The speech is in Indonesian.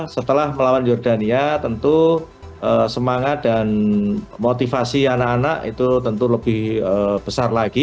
setelah melawan jordania tentu semangat dan motivasi anak anak itu tentu lebih besar lagi